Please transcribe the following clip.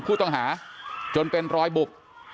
ผู้ต้องหาจนเป็นรอยบุบ